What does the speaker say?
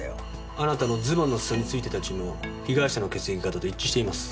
あなたのズボンの裾に付いてた血も被害者の血液型と一致しています。